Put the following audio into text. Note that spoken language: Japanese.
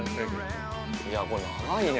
◆いやこれ、長いね